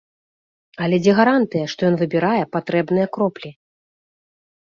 Але дзе гарантыя, што ён выбірае патрэбныя кроплі?